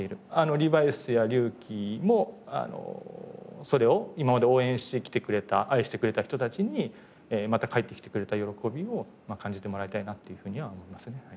『リバイス』や『龍騎』もそれを今まで応援してきてくれた愛してくれた人たちにまた帰ってきてくれた喜びを感じてもらいたいなというふうには思いますね。